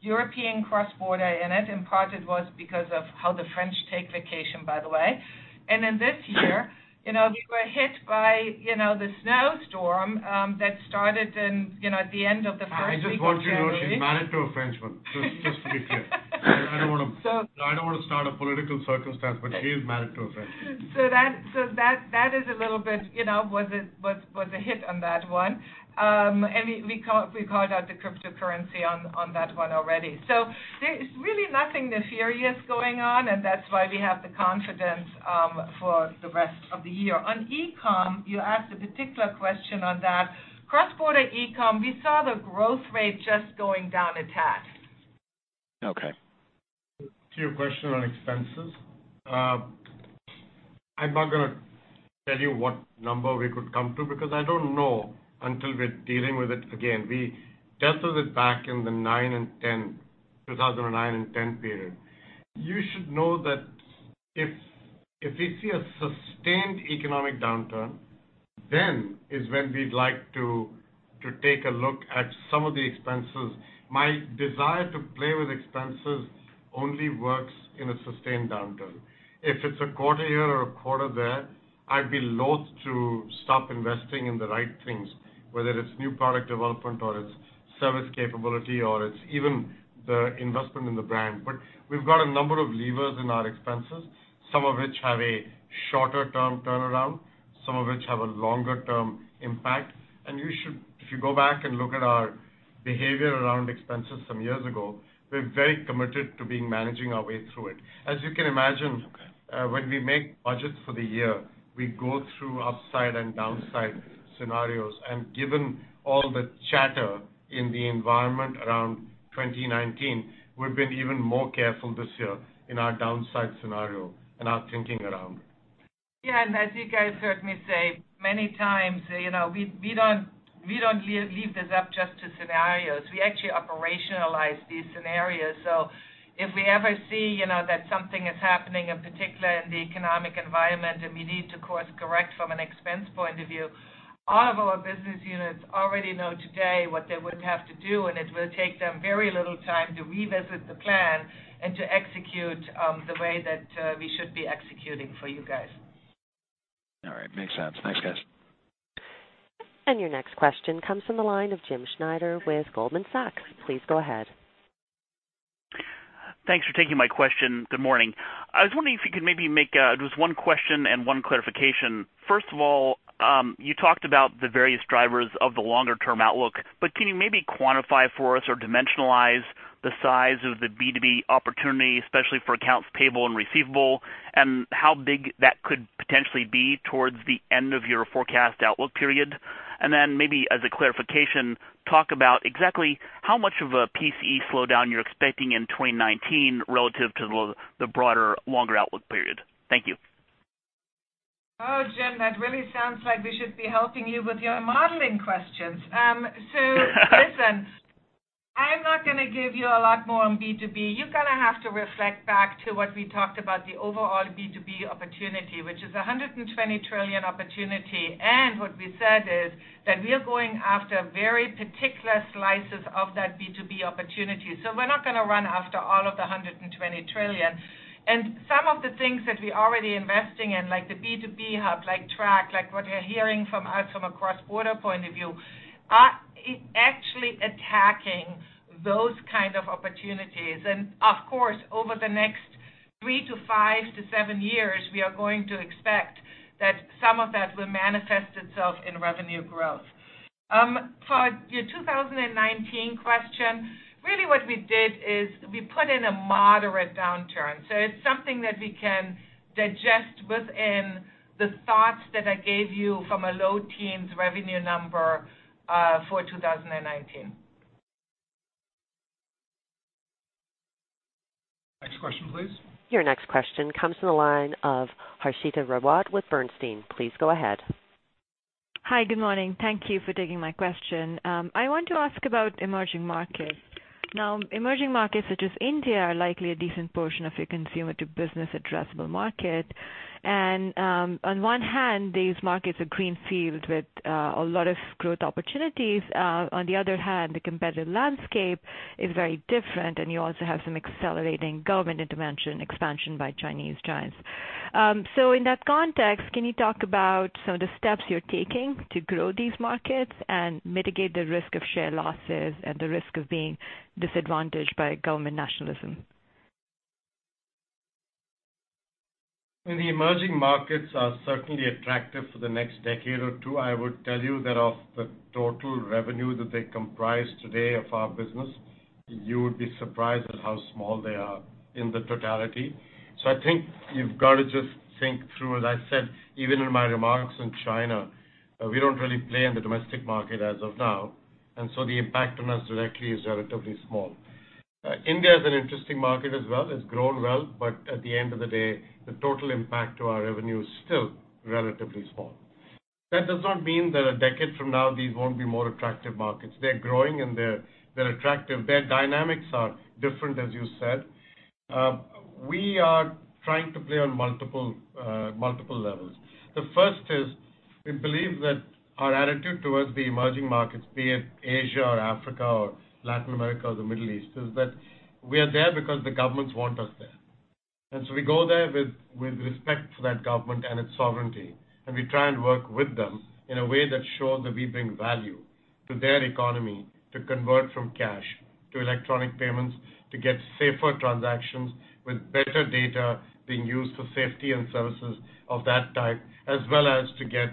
European cross-border in it. In part, it was because of how the French take vacation, by the way. This year, we were hit by the snowstorm that started at the end of the first week of February. I just want you to know she's married to a Frenchman, just to be clear. I don't want to start a political circumstance, she is married to a Frenchman. That is a little bit, was a hit on that one. We called out the cryptocurrency on that one already. There is really nothing nefarious going on, that's why we have the confidence for the rest of the year. On e-com, you asked a particular question on that. Cross-border e-com, we saw the growth rate just going down a tad. Okay. To your question on expenses. I'm not going to tell you what number we could come to, because I don't know until we're dealing with it again. We tested it back in the 2009 and 2010 period. You should know that if we see a sustained economic downturn, then is when we'd like to take a look at some of the expenses. My desire to play with expenses only works in a sustained downturn. If it's a quarter here or a quarter there, I'd be loath to stop investing in the right things, whether it's new product development or it's service capability, or it's even the investment in the brand. We've got a number of levers in our expenses, some of which have a shorter-term turnaround, some of which have a longer-term impact. If you go back and look at our behavior around expenses some years ago, we're very committed to being managing our way through it. As you can imagine, when we make budgets for the year, we go through upside and downside scenarios. Given all the chatter in the environment around 2019, we've been even more careful this year in our downside scenario and our thinking around it. As you guys heard me say many times, we don't leave this up just to scenarios. We actually operationalize these scenarios. If we ever see that something is happening in particular in the economic environment, and we need to course correct from an expense point of view, all of our business units already know today what they would have to do, and it will take them very little time to revisit the plan and to execute the way that we should be executing for you guys. All right. Makes sense. Thanks, guys. Your next question comes from the line of Jim Schneider with Goldman Sachs. Please go ahead. Thanks for taking my question. Good morning. I was wondering if you could maybe make just one question and one clarification. First of all, you talked about the various drivers of the longer-term outlook. Can you maybe quantify for us or dimensionalize the size of the B2B opportunity, especially for accounts payable and receivable, and how big that could potentially be towards the end of your forecast outlook period? Maybe as a clarification, talk about exactly how much of a PCE slowdown you're expecting in 2019 relative to the broader, longer outlook period. Thank you. Oh, Jim, that really sounds like we should be helping you with your modeling questions. Listen, I'm not going to give you a lot more on B2B. You're going to have to reflect back to what we talked about, the overall B2B opportunity, which is a $120 trillion opportunity. What we said is that we are going after very particular slices of that B2B opportunity. We're not going to run after all of the $120 trillion. Some of the things that we're already investing in, like the B2B Hub, like Track, like what you're hearing from us from a cross-border point of view, are actually attacking those kind of opportunities. Of course, over the next three to five to seven years, we are going to expect that some of that will manifest itself in revenue growth. For your 2019 question, really what we did is we put in a moderate downturn. It's something that we can digest within the thoughts that I gave you from a low teens revenue number for 2019. Next question, please. Your next question comes from the line of Harshita Rawat with Bernstein. Please go ahead. Hi. Good morning. Thank you for taking my question. I want to ask about emerging markets. Emerging markets such as India are likely a decent portion of your consumer to business addressable market. On one hand, these markets are green fields with a lot of growth opportunities. On the other hand, the competitive landscape is very different, and you also have some accelerating government intervention expansion by Chinese giants. In that context, can you talk about some of the steps you're taking to grow these markets and mitigate the risk of share losses and the risk of being disadvantaged by government nationalism? The emerging markets are certainly attractive for the next decade or two. I would tell you that of the total revenue that they comprise today of our business, you would be surprised at how small they are in the totality. I think you've got to just think through, as I said, even in my remarks in China, we don't really play in the domestic market as of now, the impact on us directly is relatively small. India is an interesting market as well. It's grown well, but at the end of the day, the total impact to our revenue is still relatively small. That does not mean that a decade from now, these won't be more attractive markets. They're growing, and they're attractive. Their dynamics are different, as you said. We are trying to play on multiple levels. The first is we believe that our attitude towards the emerging markets, be it Asia or Africa or Latin America or the Middle East, is that we are there because the governments want us there. We go there with respect for that government and its sovereignty, and we try and work with them in a way that shows that we bring value to their economy to convert from cash to electronic payments, to get safer transactions with better data being used for safety and services of that type, as well as to get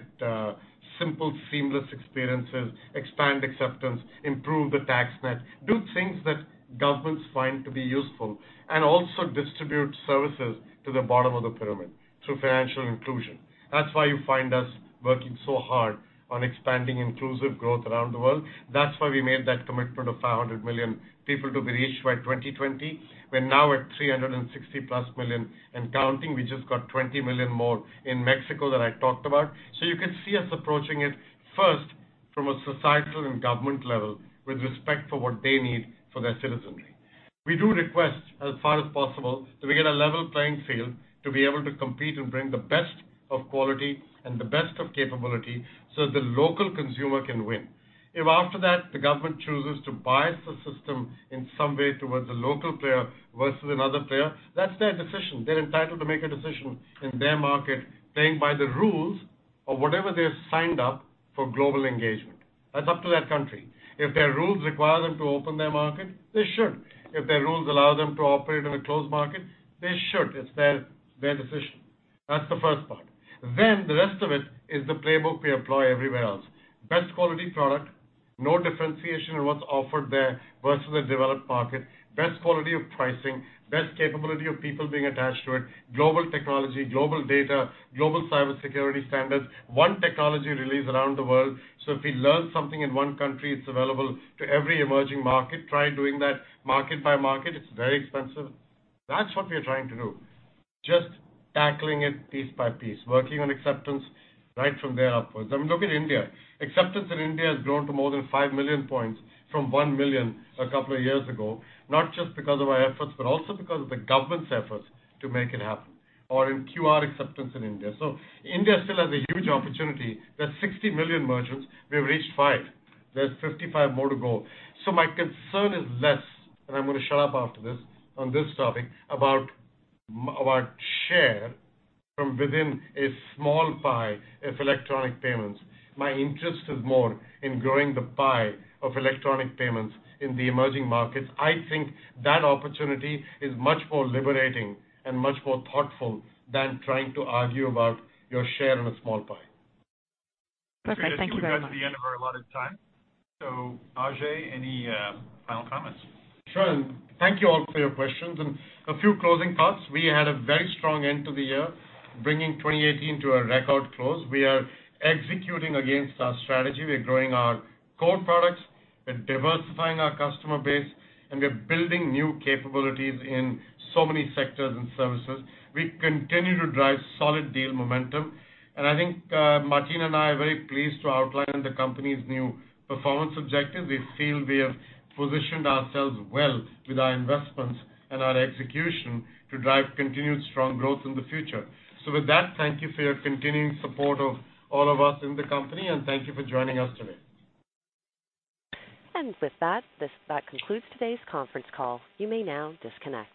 simple, seamless experiences, expand acceptance, improve the tax net, do things that governments find to be useful, and also distribute services to the bottom of the pyramid through financial inclusion. That's why you find us working so hard on expanding inclusive growth around the world. That's why we made that commitment of 500 million people to be reached by 2020. We're now at 360+ million and counting. We just got 20 million more in Mexico that I talked about. You can see us approaching it first from a societal and government level with respect for what they need for their citizenry. We do request, as far as possible, that we get a level playing field to be able to compete and bring the best of quality and the best of capability so the local consumer can win. If after that, the government chooses to bias the system in some way towards a local player versus another player, that's their decision. They're entitled to make a decision in their market, playing by the rules of whatever they've signed up for global engagement. That's up to that country. If their rules require them to open their market, they should. If their rules allow them to operate in a closed market, they should. It's their decision. That's the first part. The rest of it is the playbook we employ everywhere else. Best quality product, no differentiation in what's offered there versus a developed market, best quality of pricing, best capability of people being attached to it, global technology, global data, global cybersecurity standards, one technology release around the world. If we learn something in one country, it's available to every emerging market. Try doing that market by market, it's very expensive. That's what we're trying to do, just tackling it piece by piece, working on acceptance right from there upwards. I mean, look at India. Acceptance in India has grown to more than 5 million points from 1 million a couple of years ago, not just because of our efforts, but also because of the government's efforts to make it happen, or in QR acceptance in India. India still has a huge opportunity. There's 60 million merchants. We've reached five. There's 55 more to go. My concern is less, and I'm going to shut up after this on this topic, about share from within a small pie of electronic payments. My interest is more in growing the pie of electronic payments in the emerging markets. I think that opportunity is much more liberating and much more thoughtful than trying to argue about your share of a small pie. Perfect. Thank you very much. I think that's we've got to the end of our allotted time. Ajay, any final comments? Sure. Thank you all for your questions. A few closing thoughts. We had a very strong end to the year, bringing 2018 to a record close. We are executing against our strategy. We're growing our core products, we're diversifying our customer base, and we're building new capabilities in so many sectors and services. We continue to drive solid deal momentum, and I think Martina and I are very pleased to outline the company's new performance objectives. We feel we have positioned ourselves well with our investments and our execution to drive continued strong growth in the future. With that, thank you for your continuing support of all of us in the company, and thank you for joining us today. With that concludes today's conference call. You may now disconnect.